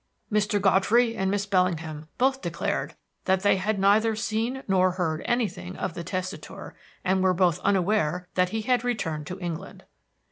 Mr. Godfrey and Miss Bellingham both declared that they had neither seen nor heard anything of the testator, and were both unaware that he had returned to England.